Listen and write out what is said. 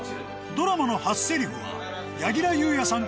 ドラマの初セリフは柳楽優弥さん